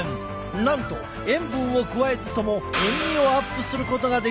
なんと塩分を加えずとも塩味をアップすることができる